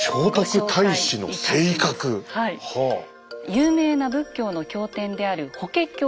有名な仏教の経典である「法華経」。